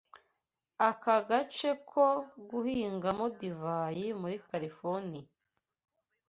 Aka gace ko guhingamo divayi muri Californiya